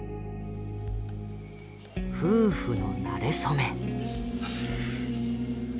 夫婦のなれそめ。